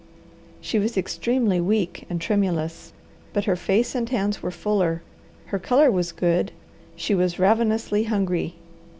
She was extremely weak and tremulous, but her face and hands were fuller, her colour was good, she was ravenously hungry.